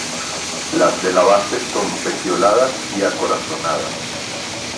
Las de la base son pecioladas y acorazonadas.